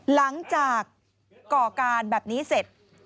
หลังจากก่อการแบบนี้เสร็จ